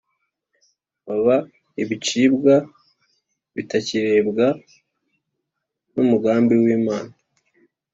baba ibicibwa bitakirebwa n’umugambi w’Imana.